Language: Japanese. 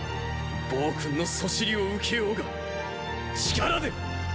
暴君のそしりを受けようが力でっ！